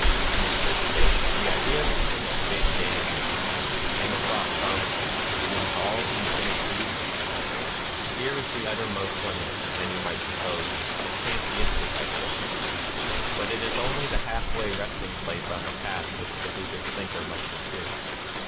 In the fifth stage the idea of infinite space vanishes, and the thought comes: It is all infinite reason, [Here is the uttermost limit, many might sup pose, of pantheistic idealism; but it is only the half way resting place on the path which the Buddhist thinker must pursue.